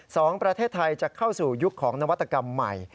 สองประเทศไทยจะเข้าสู่ยุคของนวัตกรรมใหม่